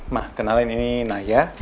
nah kenalin ini naya